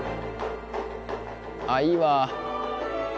あいいわ。